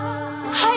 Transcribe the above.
はい！